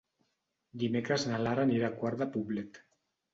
Dimecres na Lara anirà a Quart de Poblet.